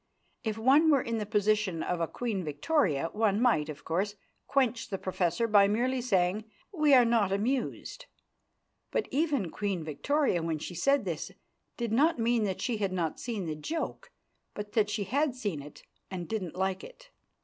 If one were in the position of a Queen Victoria, one might, of course, quench the professor by merely saying: "We are not amused." But even Queen Victoria, when she said this, did not mean that she had not seen the joke but that she had seen it and didn't like it.